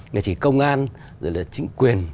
nên chỉ công an rồi là chính quyền